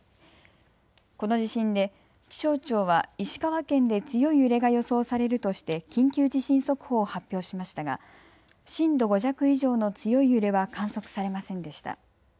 この地震で気象庁は石川県で強い揺れが予想されるとして緊急地震速報を発表しましたが震度５弱以上の強い揺れは観測されませんでした。